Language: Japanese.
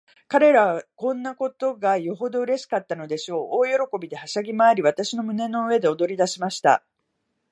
彼等はこんなことがよほどうれしかったのでしょう。大喜びで、はしゃぎまわり、私の胸の上で踊りだしました。